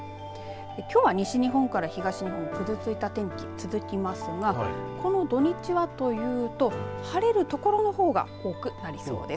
きょうは西日本から東日本ぐずついた天気続きますがこの土日はというと晴れるところのほうが多くなりそうです。